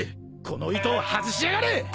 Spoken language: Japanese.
この糸を外しやがれ！